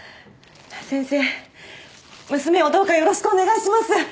先生娘をどうかよろしくお願いします。